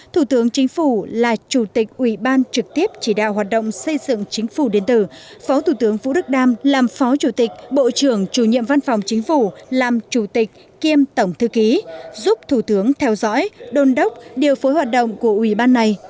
thủ tướng chính phủ là chủ tịch ủy ban trực tiếp chỉ đạo hoạt động xây dựng chính phủ điện tử phó thủ tướng vũ đức đam làm phó chủ tịch bộ trưởng chủ nhiệm văn phòng chính phủ làm chủ tịch kiêm tổng thư ký giúp thủ tướng theo dõi đôn đốc điều phối hoạt động của ủy ban này